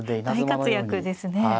大活躍ですね。